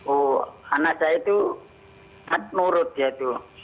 oh anak saya itu at murut ya itu